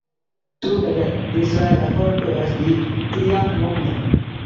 Together, these were referred to as the "tria nomina".